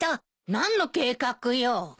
何の計画よ？